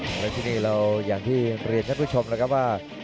แล้วทีนี้เราอยากที่ประโยชน์ให้ตัวชมนะครับว่า